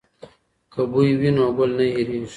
که بوی وي نو ګل نه هیرېږي.